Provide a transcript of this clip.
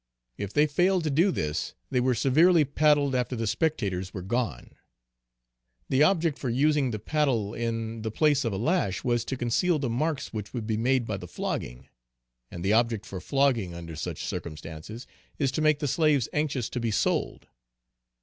If they failed to do this, they were severely paddled after the spectators were gone. The object for using the paddle in the place of a lash was, to conceal the marks which would be made by the flogging. And the object for flogging under such circumstances, is to make the slaves anxious to be sold.